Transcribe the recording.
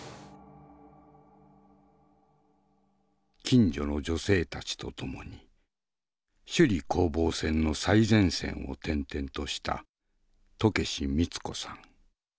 近所の女性たちと共に首里攻防戦の最前線を転々とした渡慶次ミツ子さん。